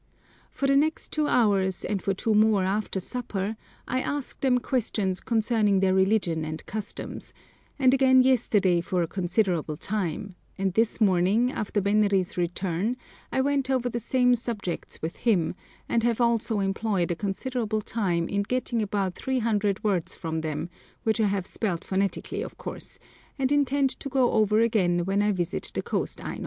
For the next two hours, and for two more after supper, I asked them questions concerning their religion and customs, and again yesterday for a considerable time, and this morning, after Benri's return, I went over the same subjects with him, and have also employed a considerable time in getting about 300 words from them, which I have spelt phonetically of course, and intend to go over again when I visit the coast Ainos.